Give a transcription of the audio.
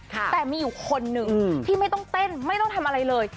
แต่มีอยู่คนหนึ่งที่ไม่ต้องเต้นไม่ต้องทำอะไรเลย